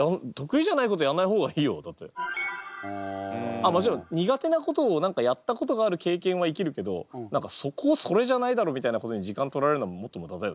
あっもちろん苦手なことをやったことがある経験は生きるけどそこをそれじゃないだろみたいなことに時間取られるのはもっと無駄だよね。